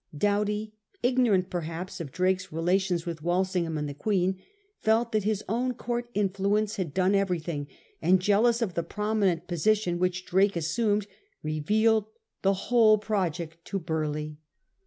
Doughty, ignorant perhaps of Drake's rela tions with "Walsingham and the Queen, felt that his own Court influence had done everything, and jealous of the prominent position which Drake assumed, revealed the whole project to Burleigh.